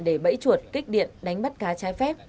để bẫy chuột kích điện đánh bắt cá trái phép